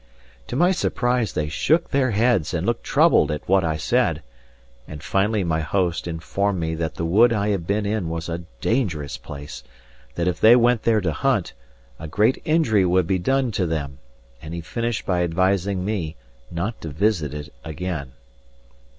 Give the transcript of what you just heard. To my surprise they shook their heads and looked troubled at what I said; and finally my host informed me that the wood I had been in was a dangerous place; that if they went there to hunt, a great injury would be done to them; and he finished by advising me not to visit it again.